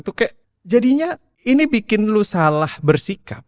tuh kayak jadinya ini bikin lu salah bersikap